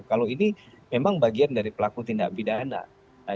kalau ini memang bagian dari pelaku tindak pidana